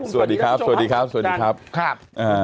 สวัสดีคุณพ่อคุณวันนี้แล้วคุณปราบอีกน้องตัวอย่าง